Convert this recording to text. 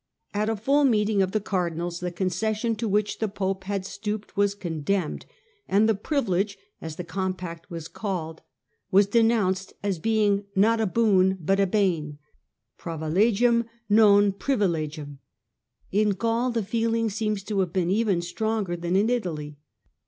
At a full meeting of the demnedin' Cardinals the concession to which the pope PrancT had stoopcd was condemned, and the * privi lege,' as the compact was called, was denounced as being not a ' boon ' but a ' bane ' (pravilegium non privilegium). In Gaul the feeling seems to have been even stronger than in Italy.